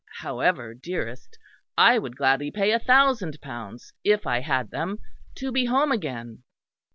However, dearest, I would gladly pay a thousand pounds, if I had them, to be home again."